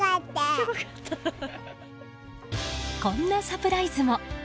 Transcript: こんなサプライズも。